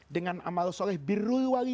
dengan amal soleh ini